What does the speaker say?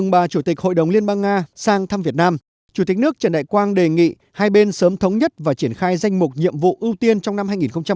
bà chủ tịch hội đồng liên bang nga sang thăm việt nam chủ tịch nước trần đại quang đề nghị hai bên sớm thống nhất và triển khai danh mục nhiệm vụ ưu tiên trong năm hai nghìn hai mươi